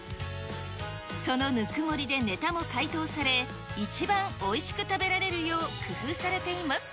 そのぬくもりでネタも解凍され、一番おいしく食べられるよう工夫されています。